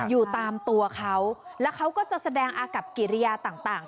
อยู่ตามตัวเขาแล้วเขาก็จะแสดงอากับกิริยาต่าง